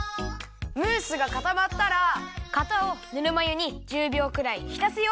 ムースがかたまったら型をぬるまゆに１０びょうくらいひたすよ。